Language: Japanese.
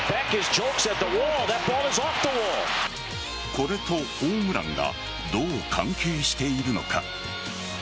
これとホームランがどう関係しているのか。